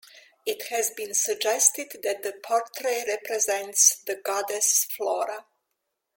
It has been suggested that the portrait represents the goddess Flora.